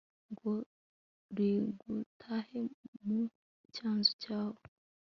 ngo rigutahe mu cyanzu cyawe